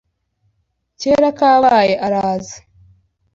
Kera kabaye araza.